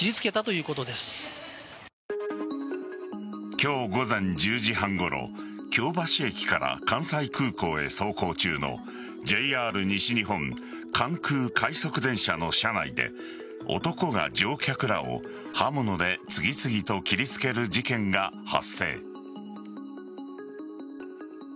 今日午前１０時半ごろ京橋駅から関西空港へ走行中のＪＲ西日本関空快速電車の車内で男が乗客らを刃物で次々と切りつける事件が発生。